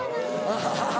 ハハハハ。